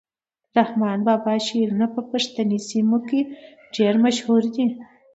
د رحمان بابا شعرونه په پښتني سیمو کي ډیر مشهور دي.